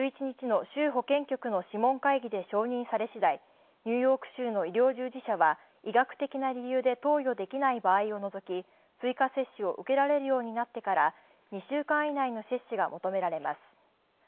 １１日の州保健局の諮問会議で承認され次第、ニューヨーク州の医療従事者は医学的な理由で投与できない場合を除き追加接種を受けられるようになってから２週間以内の接種が求められます。